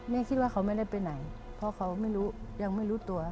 แม่คิดว่าเขาไม่ได้ไปไหนเพราะเขายังไม่รู้ตัว